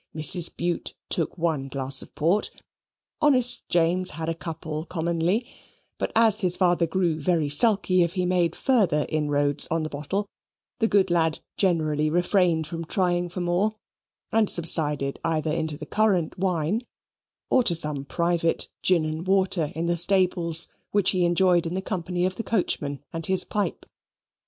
Mrs. Bute took one glass of port, honest James had a couple commonly, but as his father grew very sulky if he made further inroads on the bottle, the good lad generally refrained from trying for more, and subsided either into the currant wine, or to some private gin and water in the stables, which he enjoyed in the company of the coachman and his pipe.